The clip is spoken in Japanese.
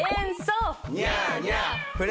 ニャーニャー。